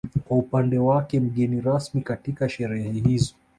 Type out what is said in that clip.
Kwa upande wake mgeni rasmi katika sherehe hizo